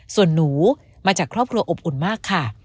ส่วนหนูมาจากครอบครัวอบอุ่นมากค่ะ